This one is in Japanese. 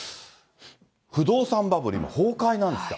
不動産バブル、今、崩壊なんですね。